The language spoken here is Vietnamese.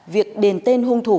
việc đền tên hung thủ